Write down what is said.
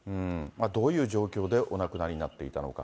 どういう状況でお亡くなりになっていたのか。